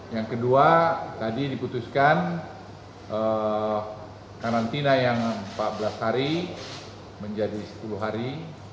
yang kedua tadi diputuskan karantina yang empat belas hari menjadi sepuluh hari